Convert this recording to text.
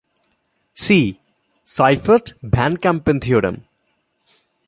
See: Seifert-van Kampen theorem.